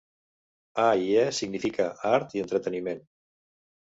"A i E" significa "Art i Entreteniment".